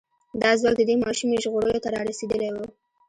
دا ځواک د دې ماشومې ژغورلو ته را رسېدلی و.